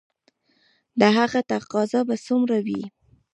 د هغه تقاضا به څومره وي؟